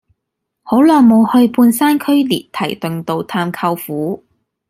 好耐無去半山區列堤頓道探舅父